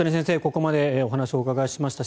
ここまでお話をお伺いしました。